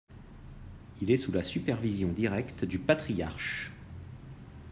Il est sous la supervision directe du Patriarche.